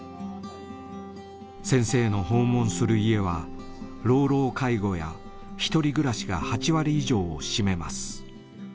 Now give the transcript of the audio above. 先生の訪問する家は老老介護や一人暮らしが８割以上を占めます。